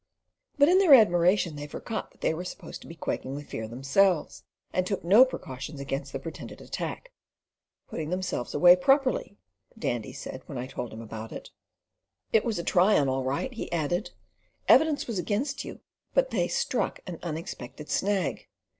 But in their admiration they forgot that they were supposed to be quaking with fear themselves, and took no precautions against the pretended attack. "Putting themselves away properly," the Dandy said when I told him about it. "It was a try on all right," he added. "Evidence was against you, but they struck an unexpected snag.